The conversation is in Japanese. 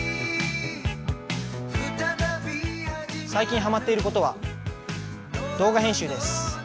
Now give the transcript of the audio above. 最近ハマっていることは動画編集です。